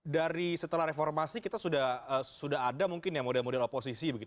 dari setelah reformasi kita sudah ada mungkin ya model model oposisi